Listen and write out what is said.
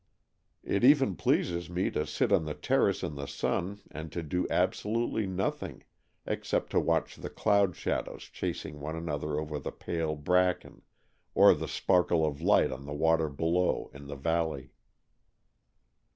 It even pleases me to sit on the terrace in the sun and to do absolutely nothing— except to watch the cloud shadow's chasing one another over the pale bracken, or the sparkle of light on the w'ater below in the valley.